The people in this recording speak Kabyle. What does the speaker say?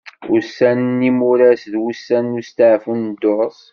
Ussan n yimuras d wussan n ustaɛfu n ddurt.